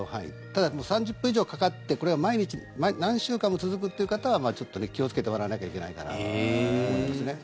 ただ、３０分以上かかってこれが毎日何週間も続くっていう方はちょっと気をつけてもらわなきゃいけないかなと思いますね。